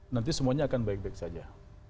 nanti semuanya akan baik baik saja